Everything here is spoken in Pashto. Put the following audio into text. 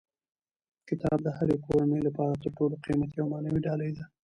کتاب د هرې کورنۍ لپاره تر ټولو قیمتي او معنوي ډالۍ ده.